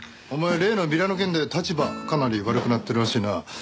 お前例のビラの件で立場かなり悪くなってるらしいな。